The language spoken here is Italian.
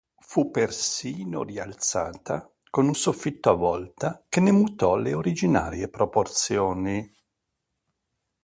Fu persino rialzata, con un soffitto a volta, che ne mutò le originarie proporzioni.